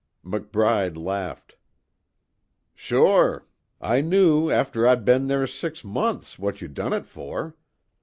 McBride laughed: "Sure I knew after I'd been there six months what you done it for.